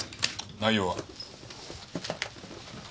内容は？